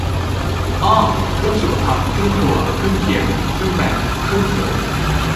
อ้อ เครื่องสุขภัณฑ์ เครื่องครัว เครื่องเคียง เครื่องแบบ เครื่องเขิน